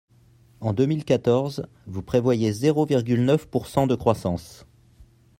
En deux mille quatorze, vous prévoyez zéro virgule neuf pourcent de croissance.